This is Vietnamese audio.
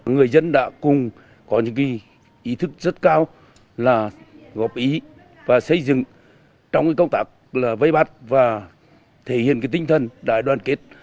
người dân đã cùng có những ý thức rất cao là góp ý và xây dựng trong công tác vây bắt và thể hiện tinh thần đại đoàn kết